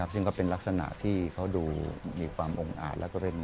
ซึ่งก็เป็นลักษณะที่เขามีความองอาจ